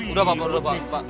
udah pak udah pak udah pak